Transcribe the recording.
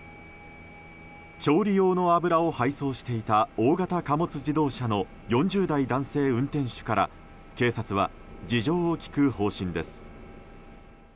調理用の油を配送していた大型貨物自動車の４０代男性運転手から警察は事情を聴く方針です。